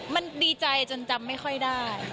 มันดีใจจนจำไม่ค่อยได้